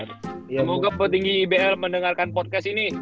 semoga petinggi ibl mendengarkan podcast ini